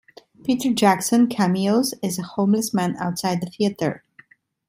Peter Jackson cameos as a homeless man outside a theatre.